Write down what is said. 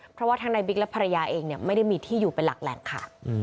เพราะว่าทั้งนายบิ๊กและภรรยาเองไม่ได้มีที่อยู่เป็นหลักแหล่งค่ะ